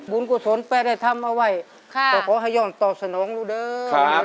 บุญกุศลแป้ได้ทำเอาไว้แต่ขอให้ย่อนต่อสนองลูกเดิม